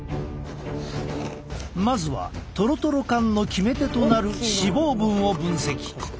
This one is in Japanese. まずはとろとろ感の決め手となる脂肪分を分析。